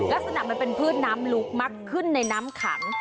ลักษณะมันเป็นพืชน้ำลุกมากขึ้นในน้ำขัง